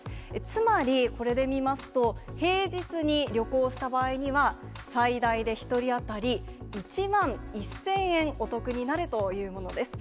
つまり、これで見ますと平日に旅行した場合には、最大で１人当たり１万１０００円お得になるというものです。